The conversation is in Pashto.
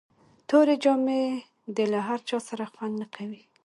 توري جامي د له هر چا سره خوند نه کوي.